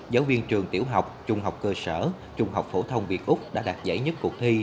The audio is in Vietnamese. giáo viên trường tiểu học trung học cơ sở trung học phổ thông việt úc đã đạt giải nhất cuộc thi